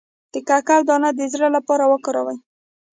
د کوکو دانه د زړه لپاره وکاروئ